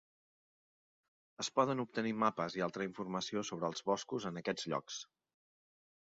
Es poden obtenir mapes i altra informació sobre els boscos en aquests llocs.